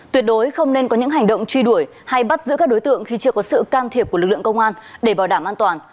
tuyệt đối không nên có những hành động truy đuổi hay bắt giữ các đối tượng khi chưa có sự can thiệp của lực lượng công an để bảo đảm an toàn